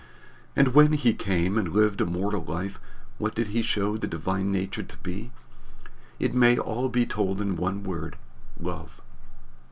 And when he came and lived a mortal life what did he show the divine nature to be? It may all be told in one word: LOVE.